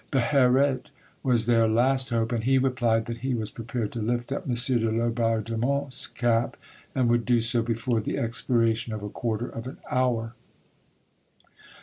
Beherit was their last hope, and he replied that he was prepared to lift up M. de Laubardemont's cap, and would do so before the expiration of a quarter of an hour.